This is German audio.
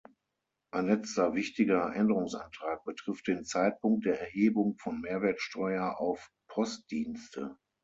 Ein letzter wichtiger Änderungsantrag betrifft den Zeitpunkt der Erhebung von Mehrwertsteuer auf Postdienste.